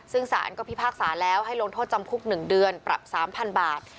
ซึ่งสารก็พิพากษาแล้วให้ลงโทษจำคุก๑เดือนปรับ๓๐๐๐บาท